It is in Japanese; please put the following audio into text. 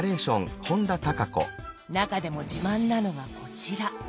なかでも自慢なのがこちら。